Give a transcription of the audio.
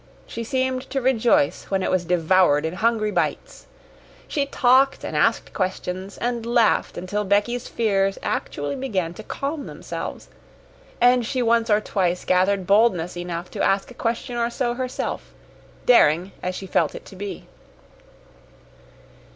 She seemed to rejoice when it was devoured in hungry bites. She talked and asked questions, and laughed until Becky's fears actually began to calm themselves, and she once or twice gathered boldness enough to ask a question or so herself, daring as she felt it to be.